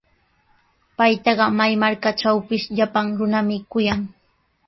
Paytaqa may markatrawpis llapan runami kuyan.